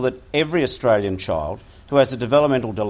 bahwa setiap anak australia yang memiliki kecemasan pembangunan tersebut